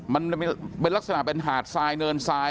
มันเป็นลักษณะเป็นหาดทรายเนินทราย